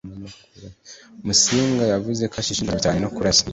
Musinga yavuze ko ashishikajwe cyane no kurasa.